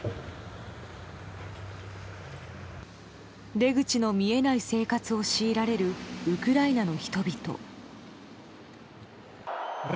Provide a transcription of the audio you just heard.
出口の見えない生活を強いられるウクライナの人々。